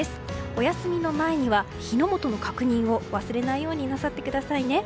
お休みの前には火の元の確認を忘れないようになさってくださいね。